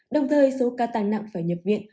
đồng thời số ca tăng nặng phải nhập viện